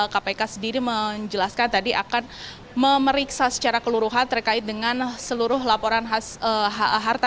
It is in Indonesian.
kpk sendiri menjelaskan tadi akan memeriksa secara keluruhan terkait dengan seluruh laporan harta